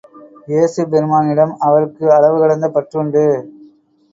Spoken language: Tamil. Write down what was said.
இயேசு பெருமானிடம் அவருக்கு அளவு கடந்த பற்றுண்டு.